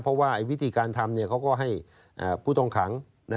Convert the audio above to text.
เพราะว่าวิธีการทำเขาก็ให้ผู้ต้องขัง